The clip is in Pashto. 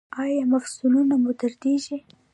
ایا مفصلونه مو دردیږي؟